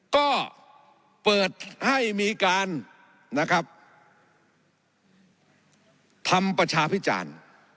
ก็เปิดให้มีการทำประชาพิจารณ์